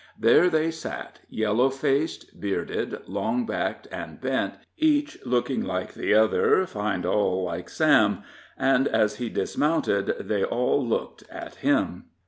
There they sat, yellow faced, bearded, long backed and bent, each looking like the other, find all like Sam; and, as he dismounted, they all looked at him.